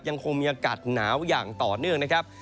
ยังคงมีอากาศหนาวอย่างต่อเนื่องนะครับ